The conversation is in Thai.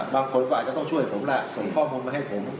บางคนก็อาจจะต้องช่วยผมล่ะส่งข้อมูลมาให้ผม